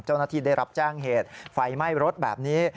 เจ้าหน้าที่ได้รับแจ้งเหตุไฟไหม้รถแบบนี้